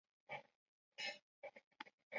模范邨其后由香港房屋委员会接管。